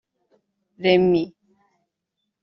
Remy